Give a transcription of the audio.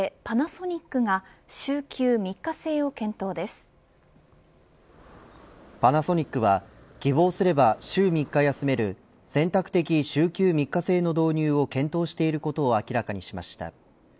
パナソニックがパナソニックは希望すれば週３日休める選択的週休３日制の導入を検討していることを明らかにしました。